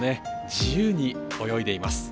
自由に泳いでいます。